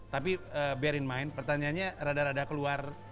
tapi bare in mind pertanyaannya rada rada keluar